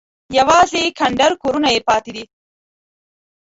یوازې کنډر کورونه یې پاتې دي.